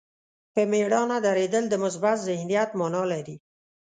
په مېړانه درېدل د مثبت ذهنیت معنا لري.